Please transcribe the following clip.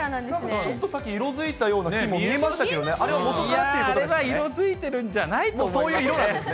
ちょっとだけ色づいたような木も見えましたけどね、あれはもあれは色づいてるんじゃないと思いますね。